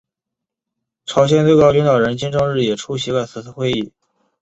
朝鲜最高领导人金正日也出席了此次会议。